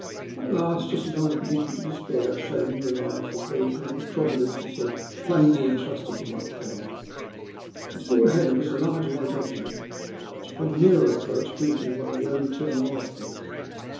At last, just as I was beginning to despair of saving the lives of those whom Providence had so plainly entrusted to my care, I saw ahead of us a large white object, which, upon nearer appoach, proved to be one of the overturned life boats.